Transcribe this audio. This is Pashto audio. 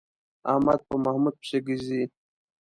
احمد په محمود پسې ځي.